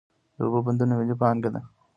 د اوبو بندونه ملي پانګه ده.